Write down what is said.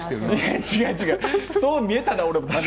そう見えたなら。